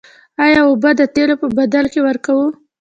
آیا اوبه د تیلو په بدل کې ورکوو؟